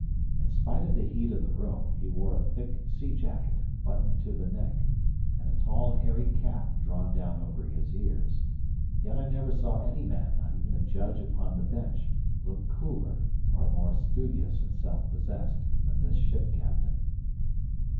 In spite of the heat of the room, he wore a thick sea jacket, buttoned to the neck, and a tall hairy cap drawn down over his ears; yet I never saw any man, not even a judge upon the bench, look cooler, or more studious and self possessed, than this ship captain.